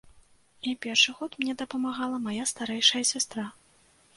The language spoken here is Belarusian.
І першы год мне дапамагала мая старэйшая сястра.